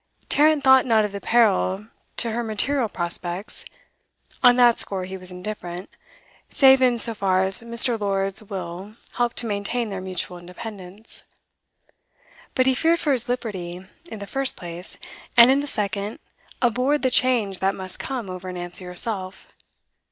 Tarrant thought not of the peril to her material prospects; on that score he was indifferent, save in so far as Mr Lord's will helped to maintain their mutual independence. But he feared for his liberty, in the first place, and in the second, abhorred the change that must come over Nancy herself.